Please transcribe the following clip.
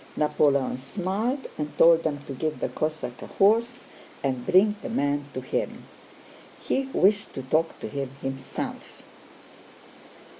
Napoleon smiled and told them to give the Cossack a horse and bring the man to him. He wished to talk to him himself.